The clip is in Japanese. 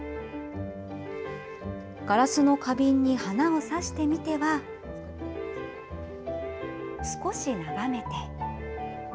ガラスの花瓶に花を挿してみては、少し眺めて。